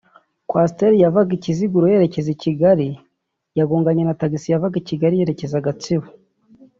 Coaster yavaga i Kiziguro yerekeza i Kigali yagonganye na tagisi yavaga i Kigali yerekeza Gatsibo